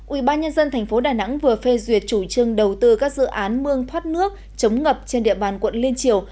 ubnd tp đà nẵng vừa phê duyệt chủ trương đầu tư các dự án mương thoát nước chống ngập trên địa bàn quận liên triều